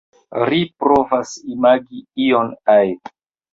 Ri provas imagi ion ajn.